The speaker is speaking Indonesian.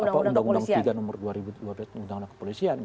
apa undang undang tiga nomor dua ribu dua tentang undang undang kepolisian gitu